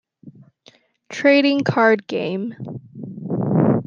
Trading Card Game.